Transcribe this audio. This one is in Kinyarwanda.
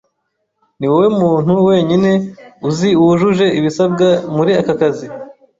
Niwowe muntu wenyine uzi wujuje ibisabwa muri aka kazi.